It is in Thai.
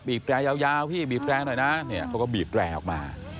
บีบแกร่ยาวยาวพี่บีบแกร่หน่อยนะเขาก็บีบแกร่ออกมา